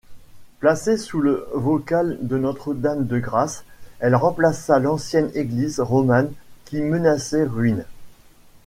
Placée sous le vocable de Notre-Dame-de-Grâce, elle remplaça l'ancienne église romane qui menaçait ruine.